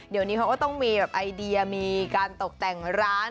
เดี๋ยวต้องมีไอเดียมีการตกแต่งร้าน